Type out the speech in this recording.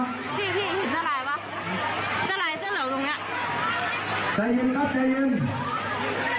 พี่พี่หินสลายป่ะสลายเสื้อเหลือตรงเนี้ยใจเย็นครับใจเย็น